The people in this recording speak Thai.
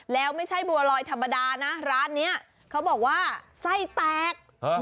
แล้วไม่ใช่บัวลอยธรรมดานะร้านนี้เขาบอกว่าไส้แตก